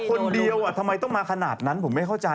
คนเดียวทำไมต้องมาขนาดนั้นผมไม่เข้าใจ